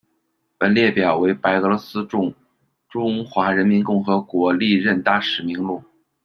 本列表为白俄罗斯驻中华人民共和国历任大使名录。